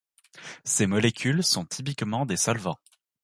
Ces molécules sont typiquement des solvants.